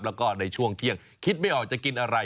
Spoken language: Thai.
แล้วก็ในช่วงเที่ยงคิดไม่ออกจะกินอะไร